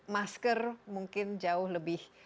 masker mungkin jauh lebih